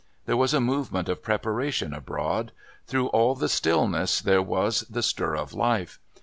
There was a movement of preparation abroad; through all the stillness there was the stir of life.